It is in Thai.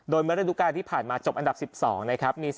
โดยเมื่อราดูการณ์ที่ผ่านมาจบอันดับสิบสองนะครับมีส